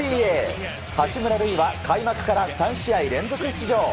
八村塁は開幕から３試合連続出場。